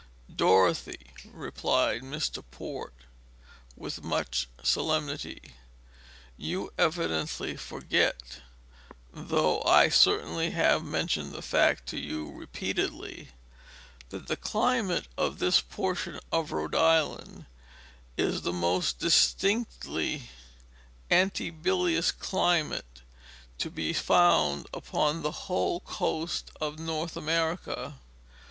"Dorothy," replied Mr. Port, with much solemnity, "you evidently forget though I certainly have mentioned the fact to you repeatedly that the climate of this portion of Rhode Island is the most distinctively antibilious climate to be found upon the whole coast of North America.